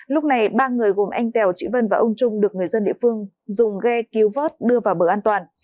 lúc này ba người gồm anh tèo chị vân và ông trung được người dân địa phương dùng ghe cứu vớt đưa vào bờ an toàn